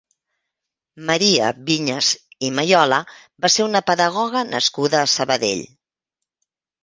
Maria Vinyes i Mayola va ser una pedagoga nascuda a Sabadell.